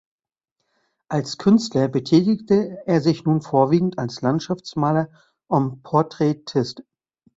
Als Künstler betätigte er sich nun vorwiegend als Landschaftsmaler und Porträtist.